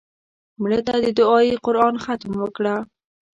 مړه ته د دعایي قرآن ختم وکړه